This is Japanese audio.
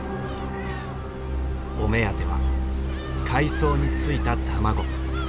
お目当ては海藻についた卵。